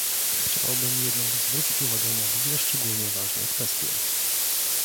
Chciałbym jednak zwrócić uwagę na dwie szczególnie ważne kwestie